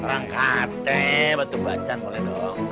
orang kate batu bacan boleh dong